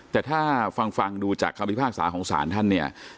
แต่ถ้าฟังฟังดูจากคำพิพากษาของศาลท่านเนี่ย